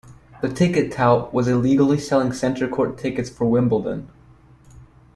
The ticket tout was illegally selling Centre Court tickets for Wimbledon